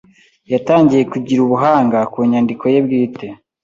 yatangiye kugira ubuhanga ku nyandiko ye bwite: